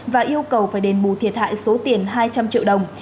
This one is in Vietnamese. và yêu cầu phải đền bù thiệt hại số tiền hai trăm linh triệu đồng